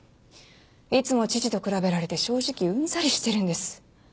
いつも父と比べられて正直うんざりしてるんです。